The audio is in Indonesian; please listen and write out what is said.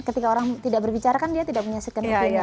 ketika orang tidak berbicara kan dia tidak punya skenario